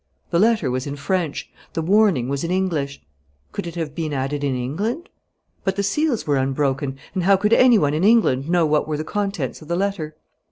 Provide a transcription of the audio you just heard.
The letter was in French. The warning was in English. Could it have been added in England? But the seals were unbroken, and how could any one in England know what were the contents of the letter?